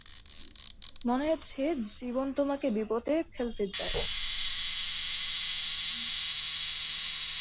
মনে হচ্ছে জীবন তোমাকে বিপদে ফেলতে চায়।